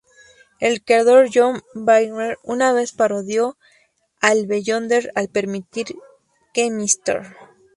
El creador John Byrne una vez parodió al Beyonder al permitir que Mr.